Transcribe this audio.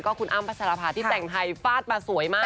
คุณอ้ำพัชรภาที่แต่งไทยฟาดมาสวยมาก